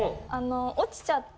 落ちちゃって。